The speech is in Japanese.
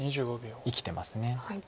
生きてます。